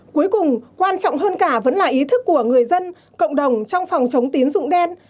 cuối cùng quan trọng hơn cả vẫn là ý thức của người dân cộng đồng trong phòng chống tín dụng đen